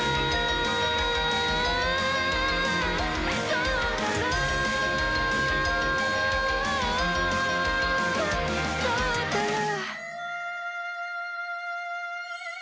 「そうだろ？」